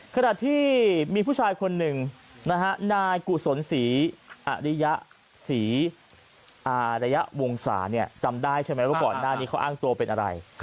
ขณะที่มีผู้ชายคนหนึ่งนะฮะนายกุศลศรีอริยะศรีอารยะวงศาเนี่ยจำได้ใช่ไหมว่าก่อนหน้านี้เขาอ้างตัวเป็นอะไร